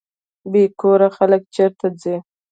بې کوره خلک چیرته ځي؟